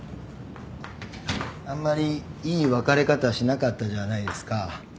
あんまりいい別れ方しなかったじゃないですか。